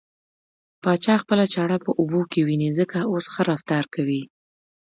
پاچا خپله چاړه په اوبو کې وينې ځکه اوس ښه رفتار کوي .